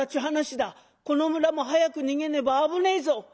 この村も早く逃げねば危ねえぞ」。